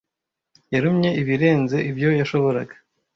Yarumye ibirenze ibyo yashoboraga